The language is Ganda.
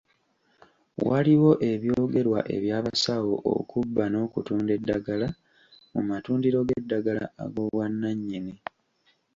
Waliwo ebyogerebwa eby'abasawo okubba n'okutunda eddagala mu matundiro g'eddagala ag'obwannannyini.